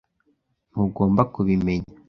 Ntugomba kubimenya.